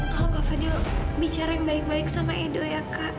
kalau kak fadil bicara yang baik baik sama edo ya kak